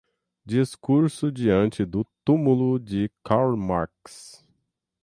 Discurso Diante do Tumulo de Karl Marx